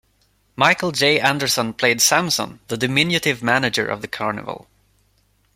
Michael J. Anderson played Samson, the diminutive manager of the carnival.